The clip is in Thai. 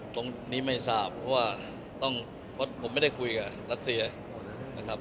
ตรงนี้ไม่ทราบเพราะว่าต้องเพราะผมไม่ได้คุยกับรัสเซียนะครับ